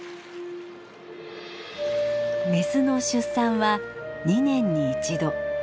メスの出産は２年に一度。